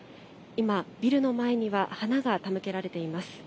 今、ビルの前には花が手向けられています。